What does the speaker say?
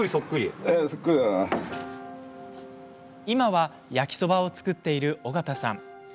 今は、焼きそばを作っている尾形さん。